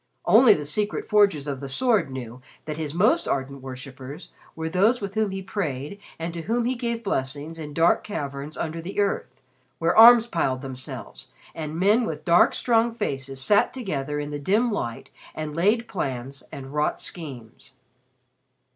Only the secret Forgers of the Sword knew that his most ardent worshippers were those with whom he prayed and to whom he gave blessings in dark caverns under the earth, where arms piled themselves and men with dark strong faces sat together in the dim light and laid plans and wrought schemes.